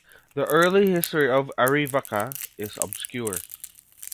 The early history of Arivaca is obscure.